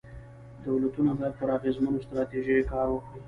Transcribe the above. دولتونه باید پر اغېزمنو ستراتیژیو کار وکړي.